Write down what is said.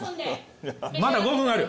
まだ５分ある？